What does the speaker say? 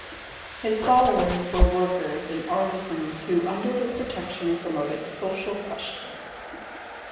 His followers were workers and artisans who under his protection promoted the social question.